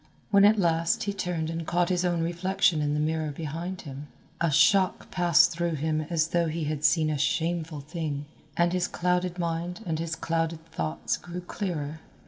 When at last he turned and caught his own reflection in the mirror behind him, a shock passed through him as though he had seen a shameful thing, and his clouded mind and his clouded thoughts grew clearer.